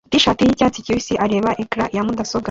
t-shirt yicyatsi kibisi areba ecran ya mudasobwa